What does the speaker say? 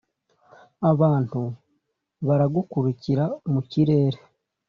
Abantu baragurukira mu kirere